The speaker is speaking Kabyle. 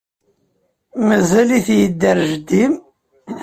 Mazal-it yedder jeddi-m?